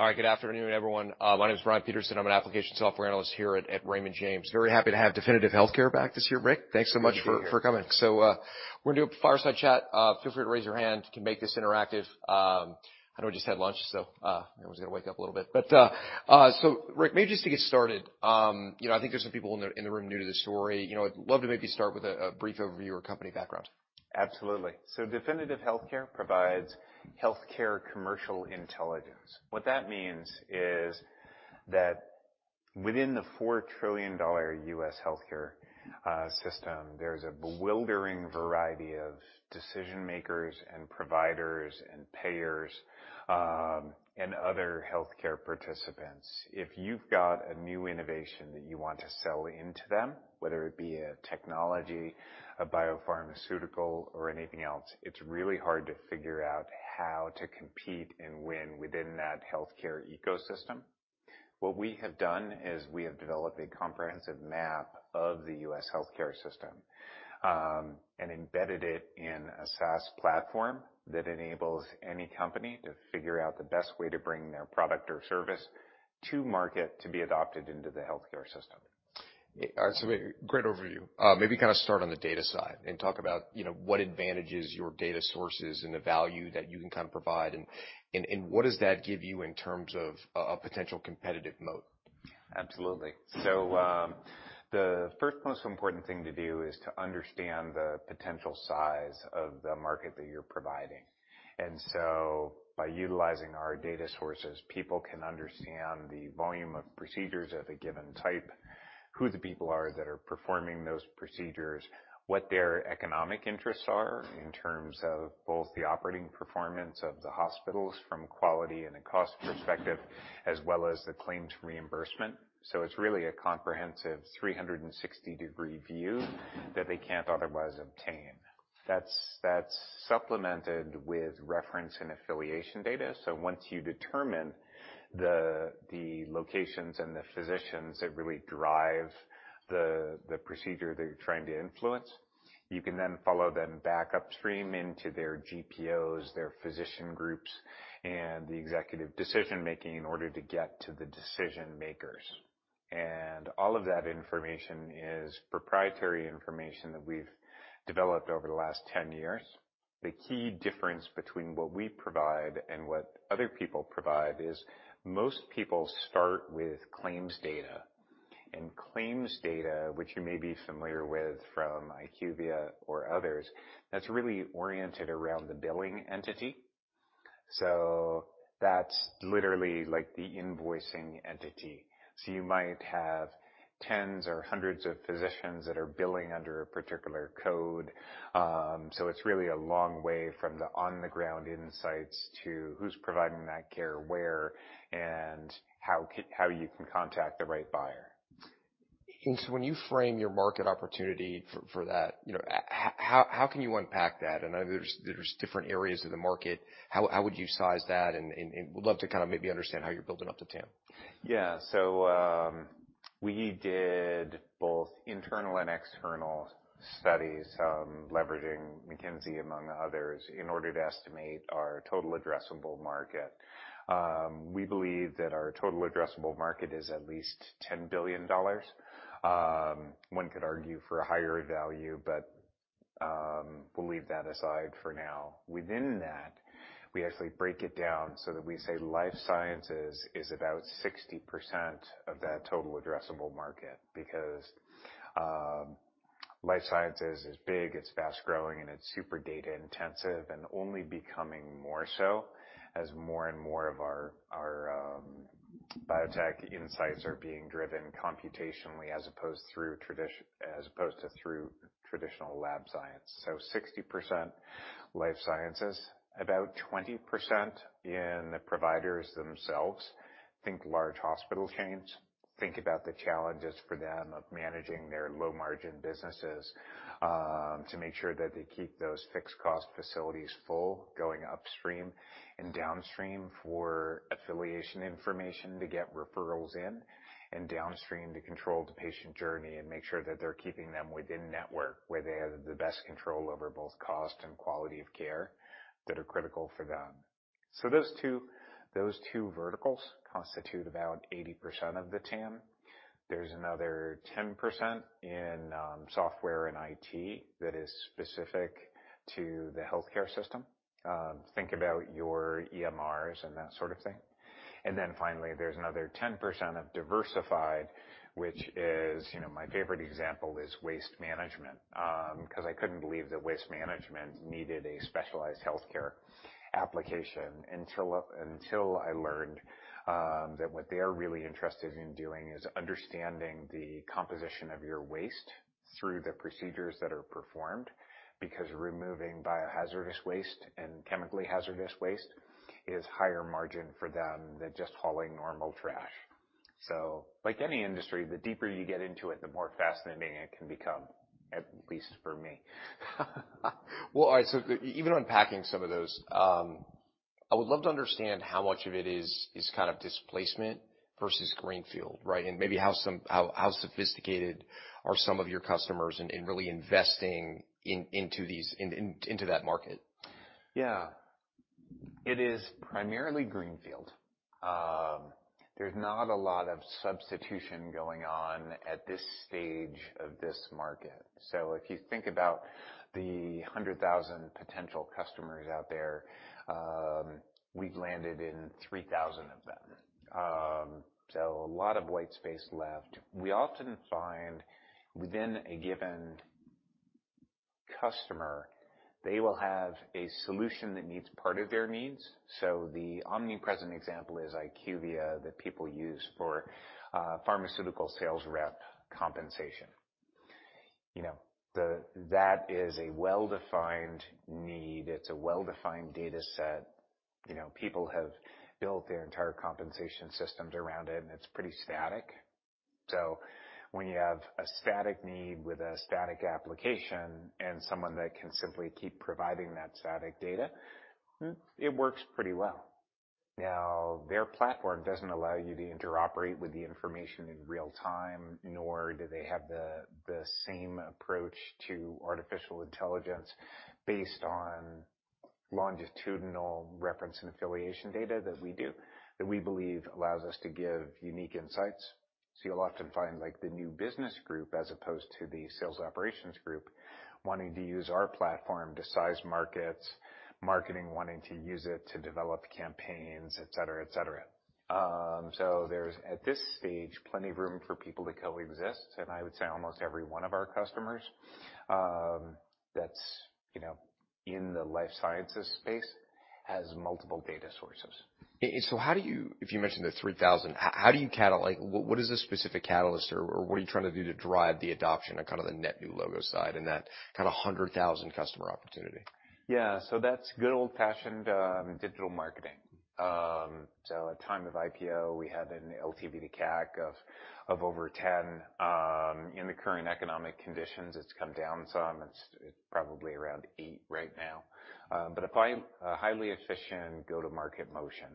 All right. Good afternoon, everyone. My name is Brian Peterson. I'm an application software analyst here at Raymond James. Very happy to have Definitive Healthcare back this year. Rick, thanks so much for coming. We're gonna do a fireside chat. Feel free to raise your hand. We can make this interactive. I know we just had lunch, so everyone's gotta wake up a little bit. Rick, maybe just to get started, you know, I think there's some people in the, in the room new to the story. You know, I'd love to maybe start with a brief overview or company background. Absolutely. Definitive Healthcare provides healthcare commercial intelligence. What that means is that within the $4 trillion U.S. healthcare system, there's a bewildering variety of decision makers and providers and payers and other healthcare participants. If you've got a new innovation that you want to sell into them, whether it be a technology, a biopharmaceutical or anything else, it's really hard to figure out how to compete and win within that healthcare ecosystem. What we have done is we have developed a comprehensive map of the U.S. healthcare system and embedded it in a SaaS platform that enables any company to figure out the best way to bring their product or service to market to be adopted into the healthcare system. Yeah. Great overview. Maybe kind of start on the data side and talk about, you know, what advantages your data sources and the value that you can kind of provide and what does that give you in terms of a potential competitive moat? Absolutely. The first most important thing to do is to understand the potential size of the market that you're providing. By utilizing our data sources, people can understand the volume of procedures of a given type, who the people are that are performing those procedures, what their economic interests are in terms of both the operating performance of the hospitals from quality and a cost perspective, as well as the claimed reimbursement. It's really a comprehensive 360-degree view that they can't otherwise obtain. That's supplemented with reference and affiliation data. Once you determine the locations and the physicians that really drive the procedure they're trying to influence, you can then follow them back upstream into their GPOs, their physician groups, and the executive decision-making in order to get to the decision makers. All of that information is proprietary information that we've developed over the last 10 years. The key difference between what we provide and what other people provide is most people start with claims data. Claims data, which you may be familiar with from IQVIA or others, that's really oriented around the billing entity. That's literally like the invoicing entity. You might have tens or hundreds of physicians that are billing under a particular code. It's really a long way from the on-the-ground insights to who's providing that care where and how you can contact the right buyer. When you frame your market opportunity for that, you know, how can you unpack that? I know there's different areas of the market. How would you size that and would love to kind of maybe understand how you're building up the TAM. Yeah. We did both internal and external studies, leveraging McKinsey among others, in order to estimate our total addressable market. We believe that our total addressable market is at least $10 billion. One could argue for a higher value, we'll leave that aside for now. Within that, we actually break it down so that we say life sciences is about 60% of that total addressable market because life sciences is big, it's fast-growing, and it's super data intensive and only becoming more so as more and more of our biotech insights are being driven computationally as opposed to through traditional lab science. 60% life sciences. About 20% in the providers themselves. Think large hospital chains. Think about the challenges for them of managing their low-margin businesses, to make sure that they keep those fixed cost facilities full going upstream and downstream for affiliation information to get referrals in and downstream to control the patient journey and make sure that they're keeping them within network where they have the best control over both cost and quality of care that are critical for them. Those two verticals constitute about 80% of the TAM. There's another 10% in software and IT that is specific to the healthcare system. Think about your EMRs and that sort of thing. Finally, there's another 10% of diversified, which is, you know, my favorite example is waste management, 'cause I couldn't believe that waste management needed a specialized healthcare application until I learned, that what they are really interested in doing is understanding the composition of your waste through the procedures that are performed because removing biohazardous waste and chemically hazardous waste is higher margin for them than just hauling normal trash. Like any industry, the deeper you get into it, the more fascinating it can become, at least for me. All right. Even unpacking some of those, I would love to understand how much of it is kind of displacement versus greenfield, right? Maybe how sophisticated are some of your customers in really investing into that market? Yeah. It is primarily greenfield. There's not a lot of substitution going on at this stage of this market. If you think about the 100,000 potential customers out there, we've landed in 3,000 of them. A lot of white space left. We often find within a given customer, they will have a solution that meets part of their needs. The omnipresent example is IQVIA that people use for pharmaceutical sales rep compensation. You know, that is a well-defined need. It's a well-defined data set. You know, people have built their entire compensation systems around it, and it's pretty static. When you have a static need with a static application and someone that can simply keep providing that static data, it works pretty well. Now, their platform doesn't allow you to interoperate with the information in real time, nor do they have the same approach to artificial intelligence based on longitudinal reference and affiliation data that we do, that we believe allows us to give unique insights. You'll often find like the new business group as opposed to the sales operations group wanting to use our platform to size markets, marketing wanting to use it to develop campaigns, et cetera, et cetera. There's, at this stage, plenty of room for people to coexist, and I would say almost every one of our customers, that's, you know, in the life sciences space has multiple data sources If you mentioned the 3,000, what is the specific catalyst or what are you trying to do to drive the adoption of kind of the net new logo side in that kind of 100,000 customer opportunity? Yeah. That's good old-fashioned digital marketing. At time of IPO, we had an LTV to CAC of over 10. In the current economic conditions, it's come down some. It's probably around eight right now. Apply a highly efficient go-to-market motion.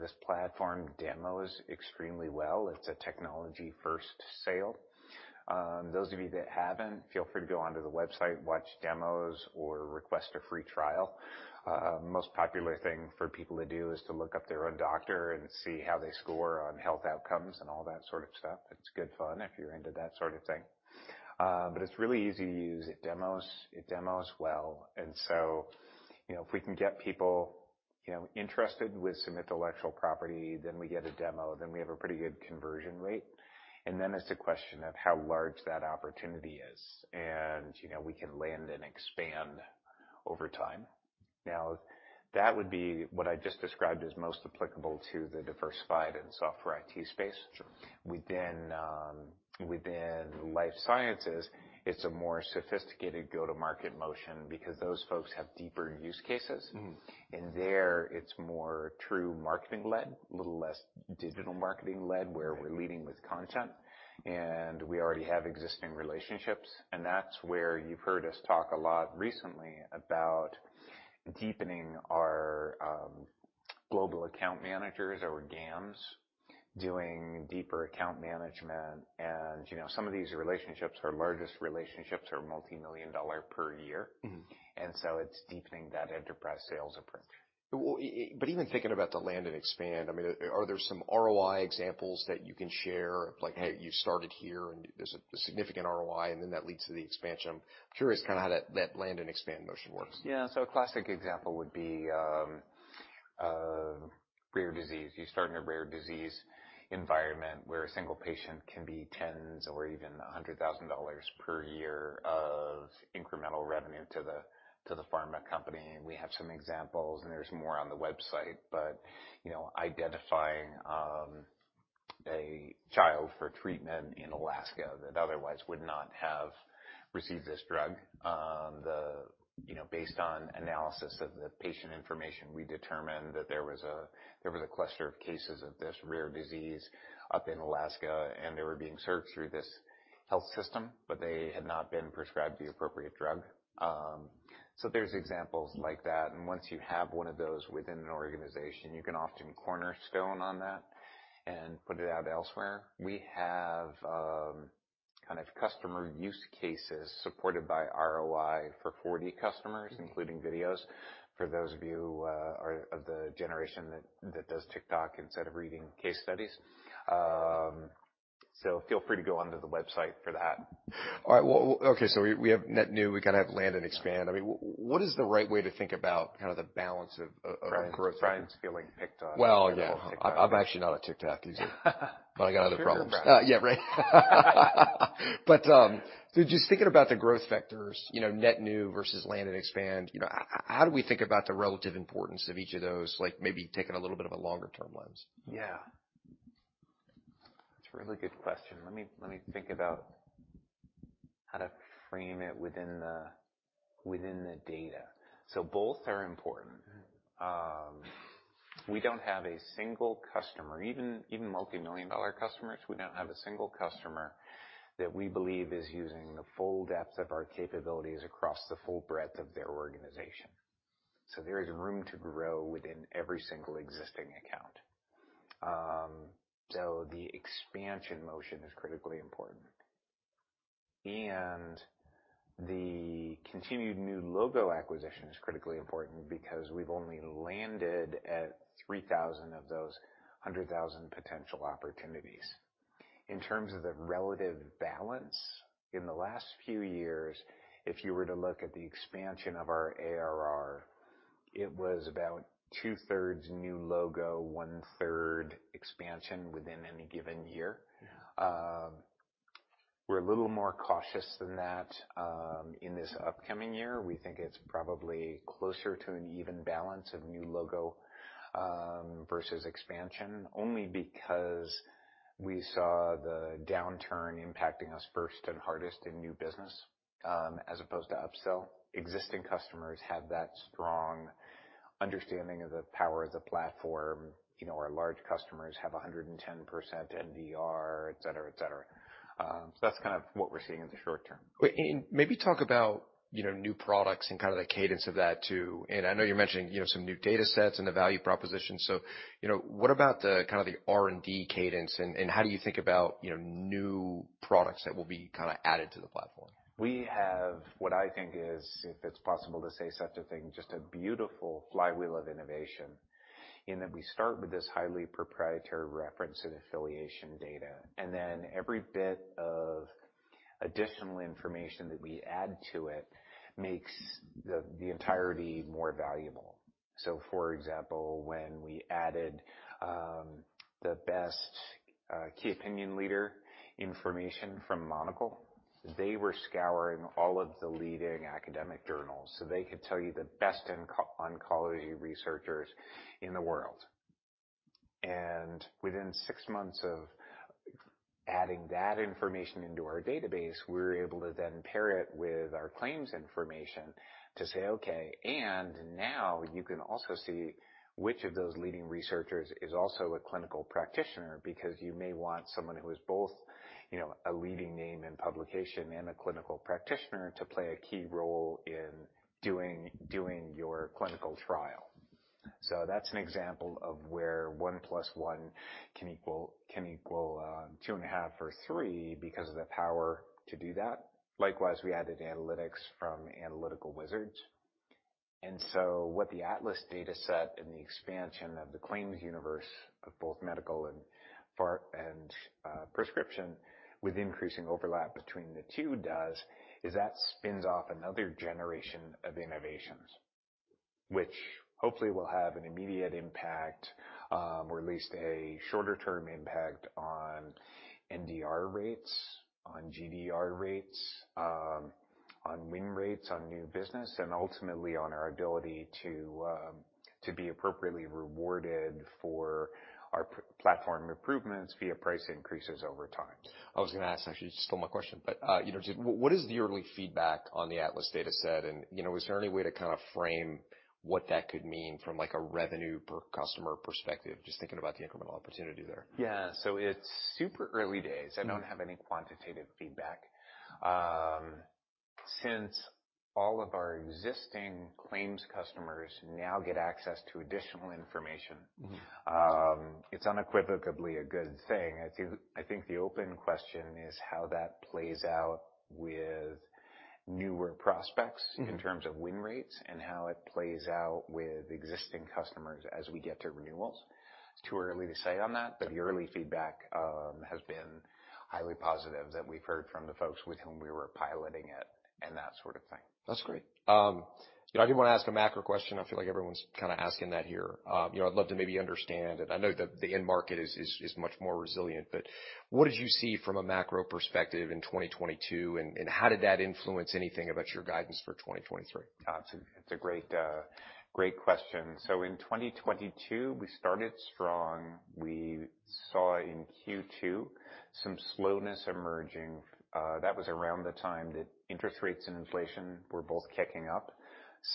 This platform demos extremely well. It's a technology-first sale. Those of you that haven't, feel free to go onto the website, watch demos or request a free trial. Most popular thing for people to do is to look up their own doctor and see how they score on health outcomes and all that sort of stuff. It's good fun if you're into that sort of thing. It's really easy to use. It demos well. You know, if we can get people, you know, interested with some intellectual property, then we get a demo, then we have a pretty good conversion rate. Then it's a question of how large that opportunity is. You know, we can land and expand over time. Now, that would be what I just described as most applicable to the diversified and software IT space. Within, within life sciences, it's a more sophisticated go-to-market motion because those folks have deeper use cases. There, it's more true marketing led, a little less digital marketing led, where we're leading with content, and we already have existing relationships. That's where you've heard us talk a lot recently about deepening our global account managers or GAMs, doing deeper account management. You know, some of these relationships, our largest relationships are multimillion dollar per year. It's deepening that enterprise sales approach. Well, even thinking about the land and expand, I mean, are there some ROI examples that you can share? Like, hey, you started here, and there's a significant ROI, and then that leads to the expansion. I'm curious kinda how that land and expand motion works. Yeah. A classic example would be rare disease. You start in a rare disease environment where a single patient can be tens or even $100,000 per year of incremental revenue to the pharma company. We have some examples, and there's more on the website. You know, identifying a child for treatment in Alaska that otherwise would not have received this drug. You know, based on analysis of the patient information, we determined that there was a cluster of cases of this rare disease up in Alaska, and they were being served through this health system, they had not been prescribed the appropriate drug. There's examples like that. Once you have one of those within an organization, you can often cornerstone on that and put it out elsewhere. We have kind of customer use cases supported by ROI for 40 customers, including videos. For those of you are of the generation that does TikTok instead of reading case studies. Feel free to go onto the website for that. All right. Well, okay, we have net new, we kinda have land and expand. I mean, what is the right way to think about kind of the balance of? Brian's feeling picked on. Well, yeah. I'm actually not a TikTok user. I got other problems. Yeah, right. Just thinking about the growth vectors, you know, net new versus land and expand, you know, how do we think about the relative importance of each of those, like maybe taking a little bit of a longer-term lens? Yeah. It's a really good question. Let me think about how to frame it within the data. Both are important. We don't have a single customer, even multimillion-dollar customers, we don't have a single customer that we believe is using the full depth of our capabilities across the full breadth of their organization. There is room to grow within every single existing account. The expansion motion is critically important. The continued new logo acquisition is critically important because we've only landed at 3,000 of those 100,000 potential opportunities. In terms of the relative balance, in the last few years, if you were to look at the expansion of our ARR, it was about two-thirds new logo, one-third expansion within any given year. We're a little more cautious than that in this upcoming year. We think it's probably closer to an even balance of new logo versus expansion, only because we saw the downturn impacting us first and hardest in new business as opposed to upsell. Existing customers had that strong understanding of the power of the platform. You know, our large customers have 110% NDR, et cetera, et cetera. That's kind of what we're seeing in the short term. Wait. Maybe talk about, you know, new products and kind of the cadence of that too. I know you're mentioning, you know, some new data sets and the value proposition. You know, what about the kind of the R&D cadence and how do you think about, you know, new products that will be kinda added to the platform? We have what I think is, if it's possible to say such a thing, just a beautiful flywheel of innovation in that we start with this highly proprietary reference and affiliation data, and then every bit of additional information that we add to it makes the entirety more valuable. For example, when we added the best key opinion leader information from Monocl, they were scouring all of the leading academic journals, so they could tell you the best oncology researchers in the world. Within six months of adding that information into our database, we were able to then pair it with our claims information to say, "Okay," and now you can also see which of those leading researchers is also a clinical practitioner, because you may want someone who is both, you know, a leading name in publication and a clinical practitioner to play a key role in doing your clinical trial. That's an example of where 1 + 1 = 2 and a half or three because of the power to do that. Likewise, we added analytics from Analytical Wizards. What the Atlas Dataset and the expansion of the claims universe of both medical and prescription with increasing overlap between the two does, is that spins off another generation of innovations, which hopefully will have an immediate impact, or at least a shorter-term impact on NDR rates, on GDR rates, on win rates on new business, and ultimately on our ability to be appropriately rewarded for our platform improvements via price increases over time. I was gonna ask, actually, you stole my question, but, you know, just what is the early feedback on the Atlas Dataset? You know, is there any way to kinda frame what that could mean from, like, a revenue per customer perspective, just thinking about the incremental opportunity there? Yeah. It's super early days. I don't have any quantitative feedback. Since all of our existing claims customers now get access to additional information. It's unequivocally a good thing. I think the open question is how that plays out with newer prospects in terms of win rates and how it plays out with existing customers as we get to renewals. It's too early to say on that, but the early feedback has been highly positive that we've heard from the folks with whom we were piloting it and that sort of thing. That's great. you know, I do wanna ask a macro question. I feel like everyone's kinda asking that here. you know, I'd love to maybe understand, and I know that the end market is much more resilient, but what did you see from a macro perspective in 2022, and how did that influence anything about your guidance for 2023? It's a great question. In 2022, we started strong. We saw in Q2 some slowness emerging. That was around the time that interest rates and inflation were both kicking up.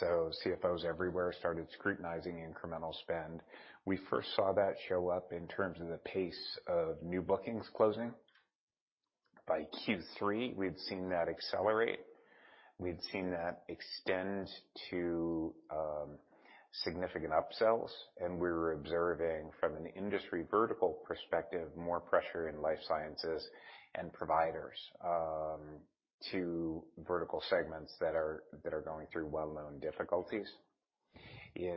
CFOs everywhere started scrutinizing incremental spend. We first saw that show up in terms of the pace of new bookings closing. By Q3, we had seen that accelerate. We'd seen that extend to significant upsells. We were observing from an industry vertical perspective, more pressure in life sciences and providers, to vertical segments that are going through well-known difficulties. We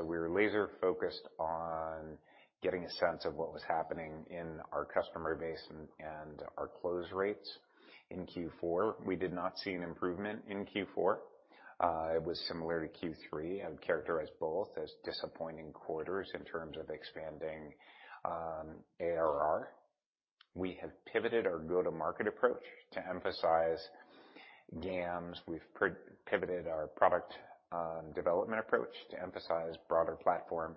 were laser-focused on getting a sense of what was happening in our customer base and our close rates in Q4. We did not see an improvement in Q4. It was similar to Q3. I would characterize both as disappointing quarters in terms of expanding ARR. We have pivoted our go-to-market approach to emphasize GAMs. We've pivoted our product development approach to emphasize broader platform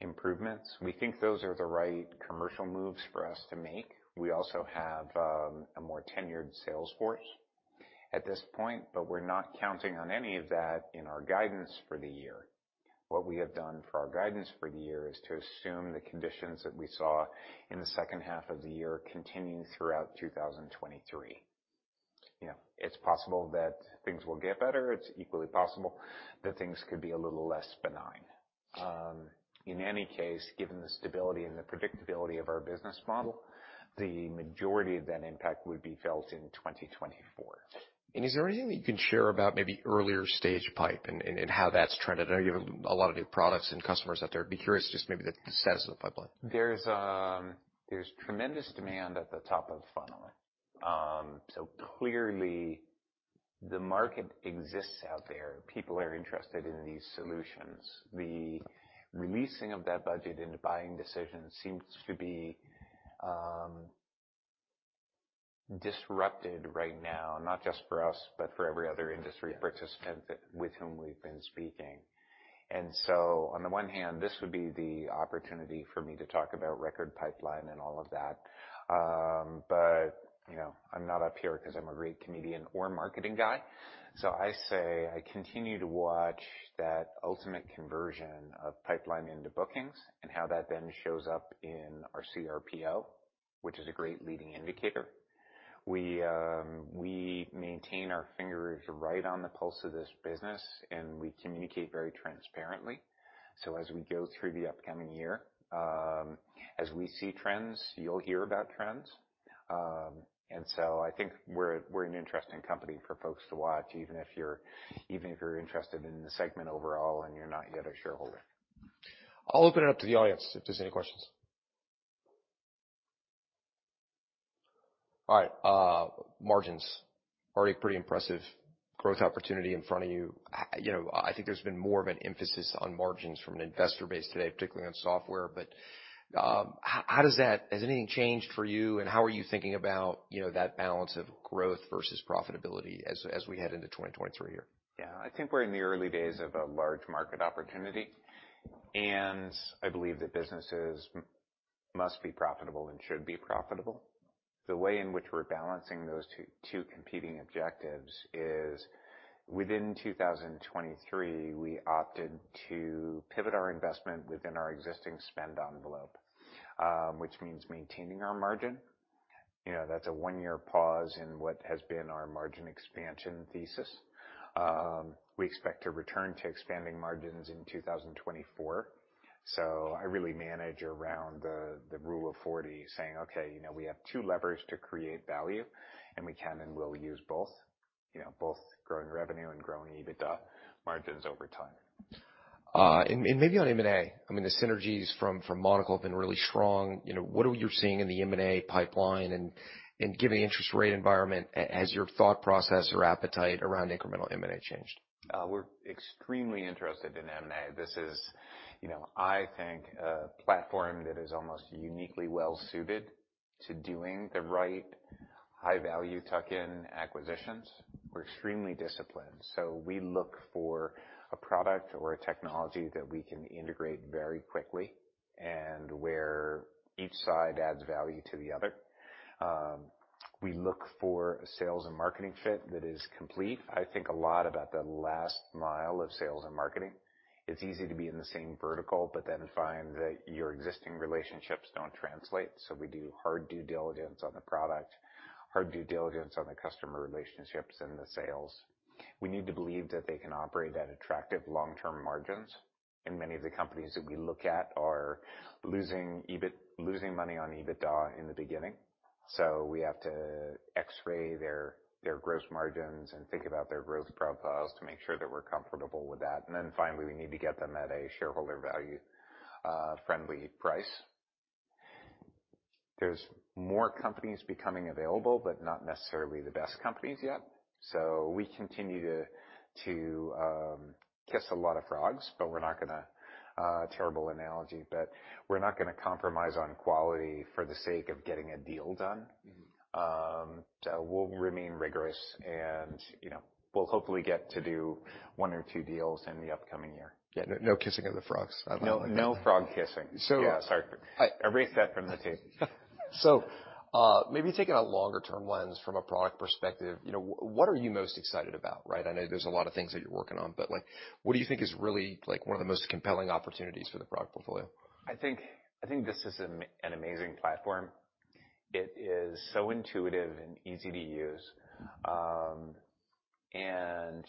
improvements. We think those are the right commercial moves for us to make. We also have a more tenured sales force at this point, but we're not counting on any of that in our guidance for the year. What we have done for our guidance for the year is to assume the conditions that we saw in the second half of the year continue throughout 2023. You know, it's possible that things will get better. It's equally possible that things could be a little less benign. In any case, given the stability and the predictability of our business model, the majority of that impact would be felt in 2024. Is there anything that you can share about maybe earlier stage pipe and how that's trended? I know you have a lot of new products and customers out there. I'd be curious just maybe the status of the pipeline? There's tremendous demand at the top of the funnel. Clearly, the market exists out there. People are interested in these solutions. The releasing of that budget into buying decisions seems to be disrupted right now, not just for us, but for every other industry participant that with whom we've been speaking. On the one hand, this would be the opportunity for me to talk about record pipeline and all of that. But, you know, I'm not up here 'cause I'm a great comedian or marketing guy. I say, I continue to watch that ultimate conversion of pipeline into bookings and how that then shows up in our CRPO, which is a great leading indicator. We maintain our fingers right on the pulse of this business, and we communicate very transparently. As we go through the upcoming year, as we see trends, you'll hear about trends. I think we're an interesting company for folks to watch, even if you're, even if you're interested in the segment overall and you're not yet a shareholder. I'll open it up to the audience if there's any questions. All right, margins. Already pretty impressive growth opportunity in front of you. You know, I think there's been more of an emphasis on margins from an investor base today, particularly on software. Has anything changed for you, and how are you thinking about, you know, that balance of growth versus profitability as we head into 2023 here? I think we're in the early days of a large market opportunity, I believe that businesses must be profitable and should be profitable. The way in which we're balancing those two competing objectives is within 2023, we opted to pivot our investment within our existing spend envelope, which means maintaining our margin. You know, that's a one-year pause in what has been our margin expansion thesis. We expect to return to expanding margins in 2024. I really manage around the Rule of 40 saying, "Okay, you know, we have two levers to create value, and we can and will use both, you know, both growing revenue and growing EBITDA margins over time. Maybe on M&A, I mean, the synergies from Monocl have been really strong. You know, what are you seeing in the M&A pipeline? given the interest rate environment, has your thought process or appetite around incremental M&A changed? We're extremely interested in M&A. This is, you know, I think a platform that is almost uniquely well suited to doing the right high-value tuck-in acquisitions. We're extremely disciplined, so we look for a product or a technology that we can integrate very quickly and where each side adds value to the other. We look for a sales and marketing fit that is complete. I think a lot about the last mile of sales and marketing. It's easy to be in the same vertical but then find that your existing relationships don't translate. We do hard due diligence on the product, hard due diligence on the customer relationships and the sales. We need to believe that they can operate at attractive long-term margins, and many of the companies that we look at are losing EBIT, losing money on EBITDA in the beginning. We have to X-ray their gross margins and think about their growth profiles to make sure that we're comfortable with that. Finally, we need to get them at a shareholder value friendly price. There's more companies becoming available, but not necessarily the best companies yet. We continue to kiss a lot of frogs, but we're not gonna, terrible analogy, but we're not gonna compromise on quality for the sake of getting a deal done. We'll remain rigorous, and, you know, we'll hopefully get to do one or two deals in the upcoming year. Yeah. No, no kissing of the frogs. No, no frog kissing. So- Yeah, sorry. Erase that from the tape. Maybe taking a longer-term lens from a product perspective, you know, what are you most excited about, right? I know there's a lot of things that you're working on, but, like, what do you think is really, like, one of the most compelling opportunities for the product portfolio? I think this is an amazing platform. It is so intuitive and easy to use.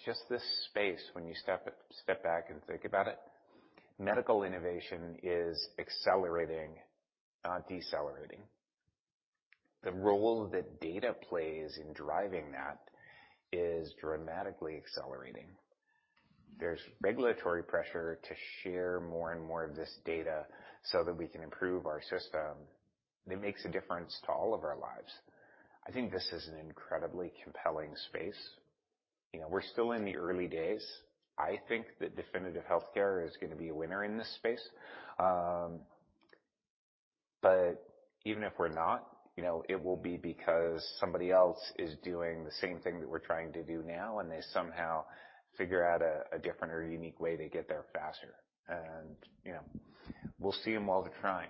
Just this space, when you step back and think about it, medical innovation is accelerating, not decelerating. The role that data plays in driving that is dramatically accelerating. There's regulatory pressure to share more and more of this data so that we can improve our system. It makes a difference to all of our lives. I think this is an incredibly compelling space. You know, we're still in the early days. I think that Definitive Healthcare is gonna be a winner in this space. Even if we're not, you know, it will be because somebody else is doing the same thing that we're trying to do now, and they somehow figure out a different or unique way to get there faster. You know, we'll see them while they're trying.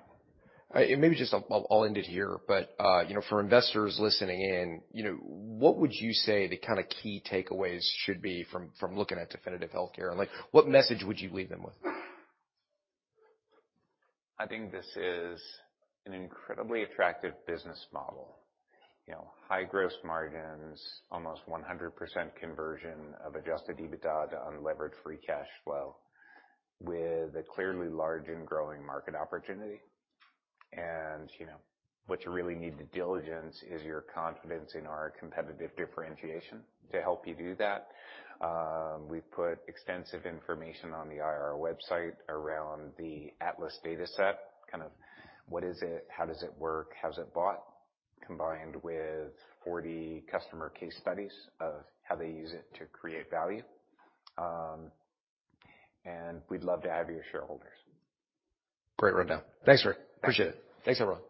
Maybe just I'll end it here. You know, for investors listening in, you know, what would you say the kinda key takeaways should be from looking at Definitive Healthcare? Like, what message would you leave them with? I think this is an incredibly attractive business model. You know, high gross margins, almost 100% conversion of adjusted EBITDA to unlevered free cash flow with a clearly large and growing market opportunity. You know, what you really need to diligence is your confidence in our competitive differentiation. To help you do that, we've put extensive information on the IR website around the Atlas Dataset, kind of what is it, how does it work, how is it bought, combined with 40 customer case studies of how they use it to create value. We'd love to have you as shareholders. Great rundown. Thanks, Rick. Appreciate it. Thanks, everyone.